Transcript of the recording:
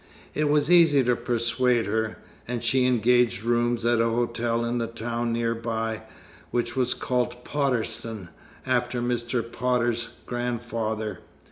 It was easy to persuade her; and she engaged rooms at a hotel in the town near by, which was called Potterston, after Mr. Potter's grandfather.